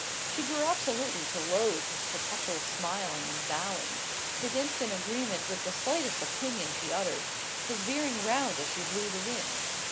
She grew absolutely to loathe his perpetual smiling and bowing; his instant agreement with the slightest opinion she uttered; his veering round as she blew the wind.